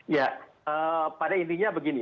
ya pada intinya begini